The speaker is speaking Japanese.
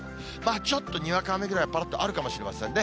ちょっとにわか雨ぐらいぱらっとあるかもしれませんね。